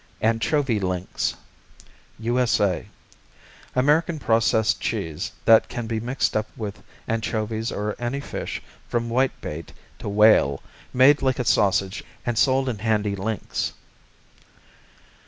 Anchovy Links U.S.A. American processed cheese that can be mixed up with anchovies or any fish from whitebait to whale, made like a sausage and sold in handy links.